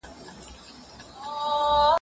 د علم د بهیر لپاره د مادیاتو ضرورت نسته.